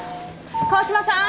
川嶋さん。